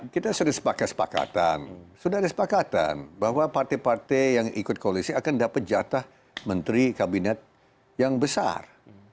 kita sudah sepakat sudah ada sepakatan bahwa partai partai yang ikut koalisi akan dapat jatah menteri kabinet yang besar